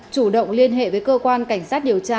chủ động liên hệ với cơ quan cảnh sát điều tra